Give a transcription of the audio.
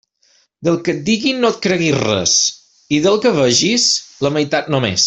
Del que et diguen no et cregues res, i del que veges, la meitat només.